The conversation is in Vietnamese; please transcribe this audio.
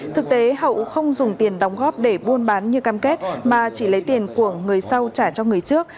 thực tế hậu không dùng tiền đóng góp để buôn bán như cam kết mà chỉ lấy tiền của người sau trả cho người trước